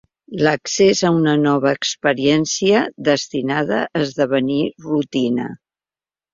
L'accés a una nova experiència destinada a esdevenir rutina.